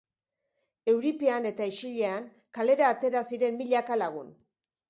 Euripean eta isilean kalera atera ziren milaka lagun.